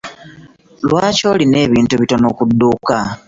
Lwaki olina ebintu bitono ku dduuka?